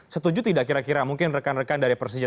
setuju tidak kira kira mungkin rekan rekan dari persija